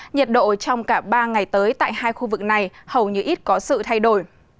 nhiệt độ trong cả ba ngày tới tại hai khu vực này hầu như ít có sự thay đổi